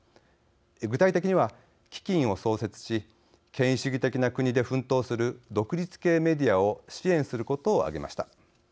具体的には、基金を創設し権威主義的な国で奮闘する独立系メディアを支援することを挙げました。